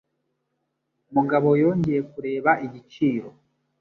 Mugabo yongeye kureba igiciro.